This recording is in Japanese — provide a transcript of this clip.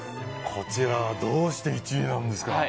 こちら、どうして１位なんですか。